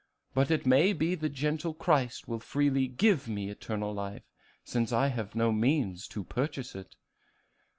But it may be the gentle Christ will freely give me eternal life, since I have no means to purchase it."